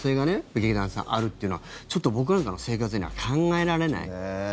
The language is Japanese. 劇団さん、あるっていうのはちょっと僕らなんかの生活には考えられない。